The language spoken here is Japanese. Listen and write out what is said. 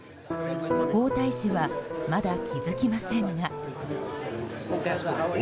皇太子はまだ気づきませんが。